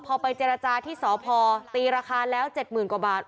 พอไปเจรจาที่สอพอตีราคาแล้วเจ็ดหมื่นกว่าบาท